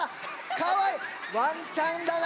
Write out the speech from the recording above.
かわいいワンちゃんだな